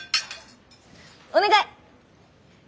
お願い！